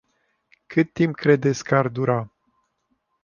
Cât timp credeți că ar dura?